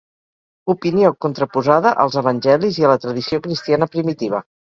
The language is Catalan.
Opinió contraposada als Evangelis i a la tradició cristiana primitiva.